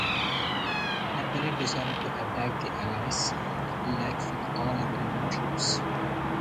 Napoleon decided to attack the allies' left with all available troops.